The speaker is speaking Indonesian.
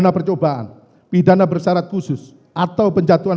bahwa contact dengan serangan kanan luncukan diatas